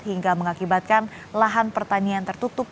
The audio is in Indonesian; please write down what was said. hingga mengakibatkan lahan pertanian tertutup